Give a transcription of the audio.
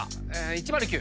１０９。